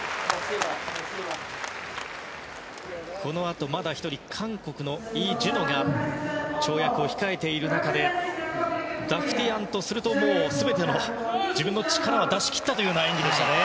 このあとまだ１人韓国のイ・ジュノが跳躍を控えている中でダフティアンとするともう全ての自分の力は出し切ったというような演技でしたね。